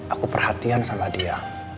aku perhatian sama dia